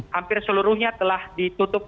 hampir seluruhnya telah ditutup